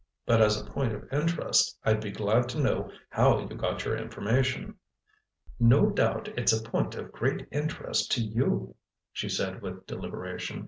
But as a point of interest, I'd be glad to know how you got your information." "No doubt it's a point of great interest to you," she said with deliberation.